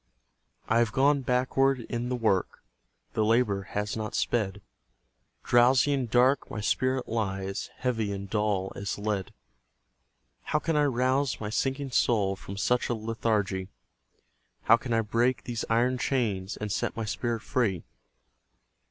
I have gone backward in the work; The labour has not sped; Drowsy and dark my spirit lies, Heavy and dull as lead. How can I rouse my sinking soul From such a lethargy? How can I break these iron chains And set my spirit free?